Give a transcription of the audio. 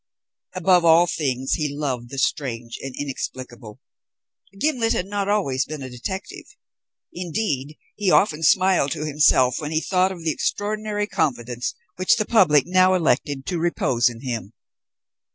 Above all things he loved the strange and inexplicable. Gimblet had not always been a detective. Indeed, he often smiled to himself when he thought of the extraordinary confidence which the public now elected to repose in him.